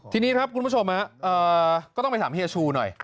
ทีนี้ครับคุณผู้ชมก็ต้องไปถามเฮียชูหน่อย